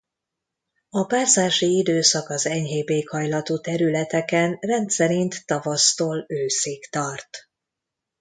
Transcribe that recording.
A párzási időszak az enyhébb éghajlatú területeken rendszerint tavasztól őszig tart.